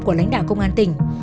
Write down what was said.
của lãnh đạo công an tỉnh